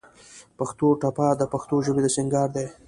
پښتو ټپه د پښتو ژبې د سينګار دى.